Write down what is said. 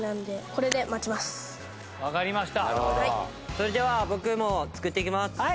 それでは僕も作っていきます。